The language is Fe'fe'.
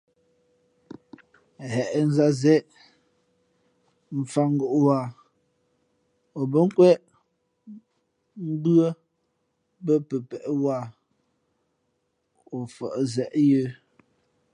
Hěʼ nzāt zeʼe, mfāt ngōʼ wāha o bά nkwéʼ mbʉ́άbᾱ pəpēʼ wāha o fα̌ʼ zeʼ yə̌.